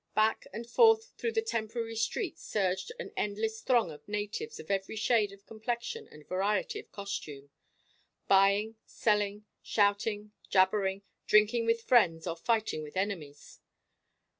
Back and forth through the temporary street surged an endless throng of natives of every shade of complexion and variety of costume buying, selling, shouting, jabbering, drinking with friends or fighting with enemies.